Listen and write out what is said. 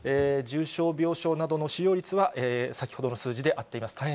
重症病床などの使用率は、先ほどの数字で合っています。